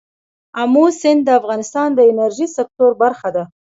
آمو سیند د افغانستان د انرژۍ سکتور برخه ده.